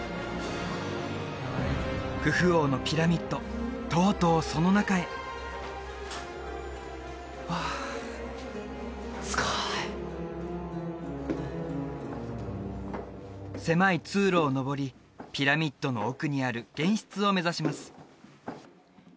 クフ王のピラミッドとうとうその中へわあすごい狭い通路を上りピラミッドの奥にある玄室を目指します